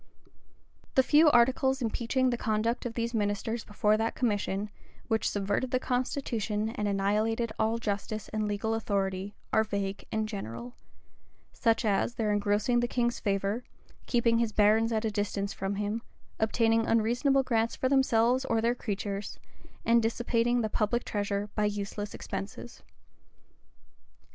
The few articles impeaching the conduct of these ministers before that commission, which subverted the constitution, and annihilated all justice and legal authority, are vague and general; such as their engrossing the king's favor, keeping his barons at a distance from him, obtaining unreasonable grants for themselves or their creatures, and dissipating the public treasure by useless expenses.